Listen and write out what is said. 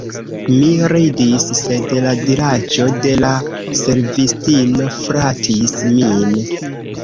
Mi ridis, sed la diraĵo de la servistino flatis min.